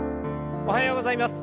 おはようございます。